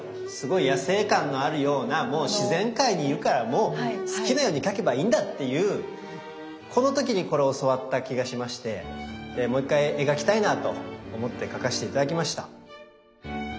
すごい野性感のあるようなもう自然界にいるからもう好きなように描けばいいんだっていうこの時にこれを教わった気がしましてもう一回描きたいなと思って描かせて頂きました。